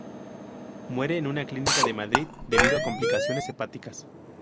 Muere en una clínica de Madrid debido a complicaciones hepáticas.